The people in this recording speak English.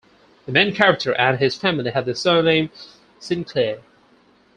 The main character and his family had the surname Sinclair.